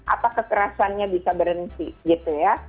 apa kekerasannya bisa berhenti gitu ya